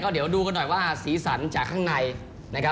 ดูกันหน่อยว่าสีสันจากข้างใน